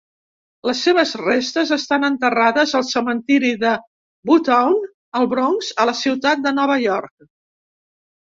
Les seves restes estan enterrades al cementiri de Woodlawn al Bronx, a la ciutat de Nova York.